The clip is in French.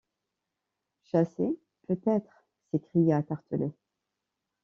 Chassées, peut-être! s’écria Tartelett.